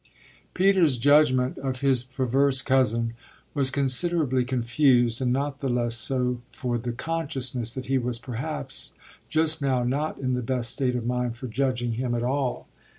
Peter's judgement of his perverse cousin was considerably confused, and not the less so for the consciousness that he was perhaps just now not in the best state of mind for judging him at all.